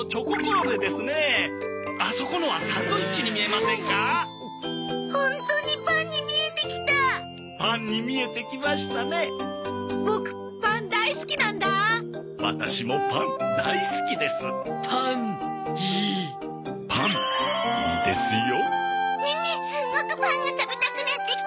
ネネすんごくパンが食べたくなってきた。